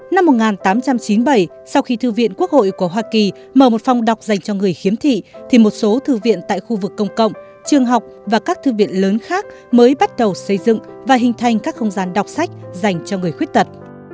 năm một nghìn tám trăm chín mươi bảy sau khi thư viện quốc hội của hoa kỳ mở một phòng đọc dành cho người khiếm thị thì một số thư viện tại khu vực công cộng trường học và các thư viện lớn khác mới bắt đầu xây dựng và hình thành các không gian đọc sách dành cho người khuyết tật